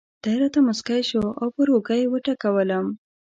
دی راته مسکی شو او پر اوږه یې وټکولم.